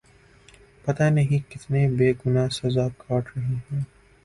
پتا نہیں کتنے بے گنا سزا کاٹ رہے ہیں